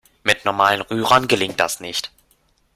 Mit normalen Rührern gelingt das nicht.